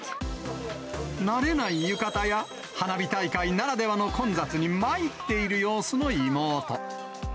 慣れない浴衣や、花火大会ならではの混雑にまいっている様子の妹。